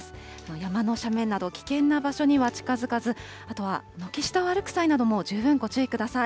山の斜面など、危険な場所には近づかず、あとは軒下を歩く際なども、十分ご注意ください。